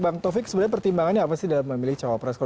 bang taufik sebenarnya pertimbangannya apa sih dalam memilih cawapres